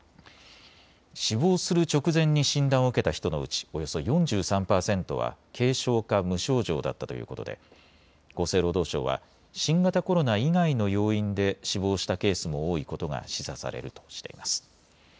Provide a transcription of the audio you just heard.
死亡する直前に診断を受けた人のうちおよそ４３％は軽症か無症状だったということで厚生労働省は新型コロナ以外の要因で死亡したケースも多いことが示唆されるとしています。